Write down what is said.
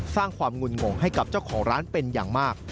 สร้างความงุ่นงงให้กับเจ้าของร้านเป็นอย่างมาก